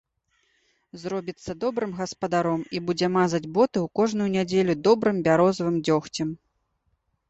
Зробіцца добрым гаспадаром і будзе мазаць боты ў кожную нядзелю добрым бярозавым дзёгцем.